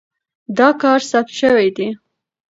دا کار ثبت شوی دی.